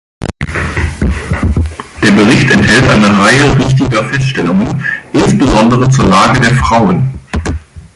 Der Bericht enthält eine Reihe richtiger Feststellungen, insbesondere zur Lage der Frauen.